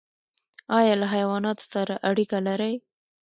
ایا له حیواناتو سره اړیکه لرئ؟